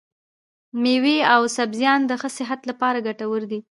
مېوې او سبزيان د ښه صحت لپاره ګټور دي.